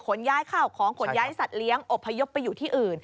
ย้ายข้าวของขนย้ายสัตว์เลี้ยงอบพยพไปอยู่ที่อื่น